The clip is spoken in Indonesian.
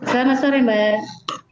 selamat sore mbak